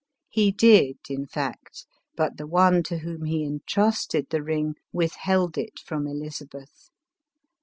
He did, in fact, but the one to whom he entrusted the ring, withheld it from Eliza beth.